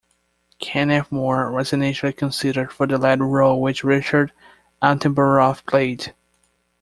Kenneth More was initially considered for the lead role which Richard Attenborough played.